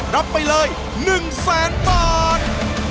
รับไปเลย๑แสนบาท